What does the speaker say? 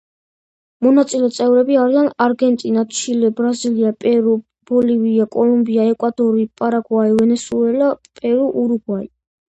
მონაწილე წევრები არიან არგენტინა, ჩილე, ბრაზილია, პერუ, ბოლივია, კოლუმბია, ეკვადორი, პარაგვაი, ვენესუელა, პერუ, ურუგვაი.